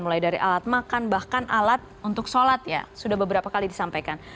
mulai dari alat makan bahkan alat untuk sholat ya sudah beberapa kali disampaikan